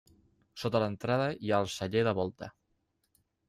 Sota l'entrada hi ha el celler de volta.